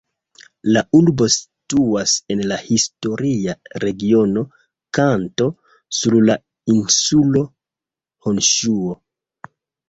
La urbo situas en la historia regiono Kanto, sur la insulo Honŝuo.